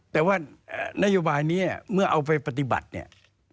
แต่ว่านโยบายนี้เมื่อเอาไปปฏิบัติเนี่ย